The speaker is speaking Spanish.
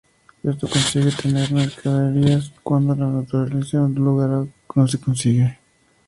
Esto consigue tener mercaderías cuando en la naturaleza de un lugar no se consigue.